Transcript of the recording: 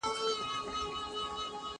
ما چي ول مېلمانه به په دغه وخت کي رانسي